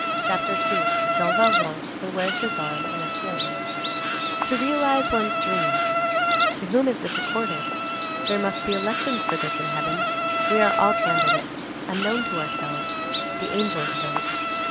CHAPTER II—JEAN VALJEAN STILL WEARS HIS ARM IN A SLING To realize one's dream. To whom is this accorded? There must be elections for this in heaven; we are all candidates, unknown to ourselves; the angels vote.